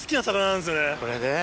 これね。